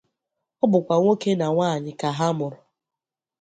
Ọ bụkwa nwoke na nwaanyị ka ha mụrụ